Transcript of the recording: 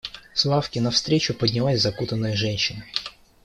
С лавки навстречу поднялась закутанная женщина.